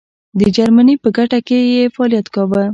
د جرمني په ګټه یې فعالیت کاوه.